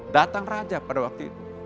datang raja pada waktu itu